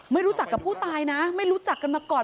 ไม่รู้จักกับผู้ตายนะไม่รู้จักกันมาก่อน